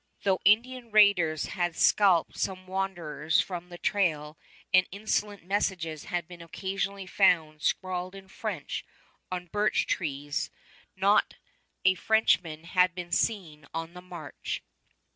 Though Indian raiders had scalped some wanderers from the trail and insolent messages had been occasionally found scrawled in French on birch trees, not a Frenchman had been seen on the march.